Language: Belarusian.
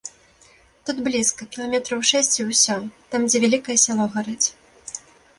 Тут блізка, кіламетраў шэсць і ўсё, там, дзе вялікае сяло гарыць.